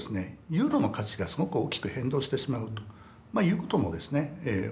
ユーロの価値がすごく大きく変動してしまうということもですね起こるので。